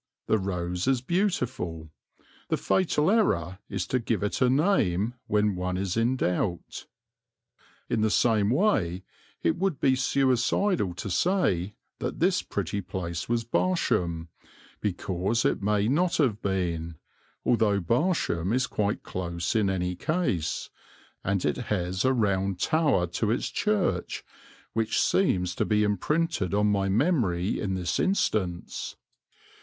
The rose is beautiful. The fatal error is to give it a name when one is in doubt. In the same way it would be suicidal to say that this pretty place was Barsham, because it may not have been, though Barsham is quite close in any case; and it has a round tower to its church, which seems to be imprinted on my memory in this instance.